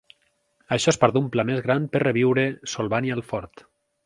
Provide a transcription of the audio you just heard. Això es part d'un pla més gran per reviure Solvania el fort.